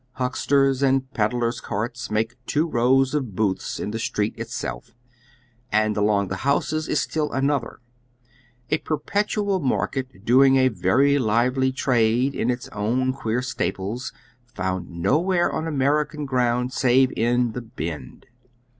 Hucksters and pedlars' carts make two rows of booths in the street itself, and along the liouses is still another — a perpetual market doing a very lively trade in its own queer staples, found nowhere on American ground save in " the Bend."